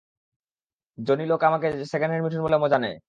জানি লোক আমাকে সেকেন্ড হ্যান্ড মিঠুন বলে মজা নেয়।